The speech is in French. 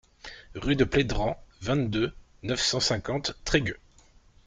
Rue de Plédran, vingt-deux, neuf cent cinquante Trégueux